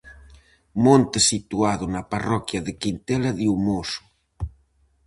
Monte situado na parroquia de Quintela de Umoso.